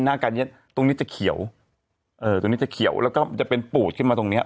หน้าการเนี้ยตรงนี้จะเขียวเออตรงนี้จะเขียวแล้วก็มันจะเป็นปูดขึ้นมาตรงเนี้ย